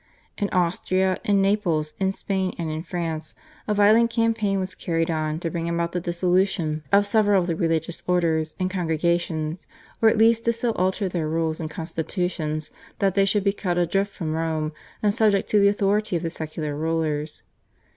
In Austria, in Naples, in Spain, and in France a violent campaign was carried on to bring about the dissolution of several of the religious orders and congregations, or at least to so alter their rules and constitutions that they should be cut adrift from Rome and subject to the authority of the secular rulers.